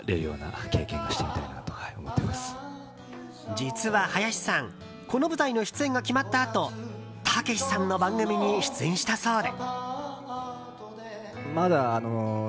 実は林さんこの舞台の出演が決まったあとたけしさんの番組に出演したそうで。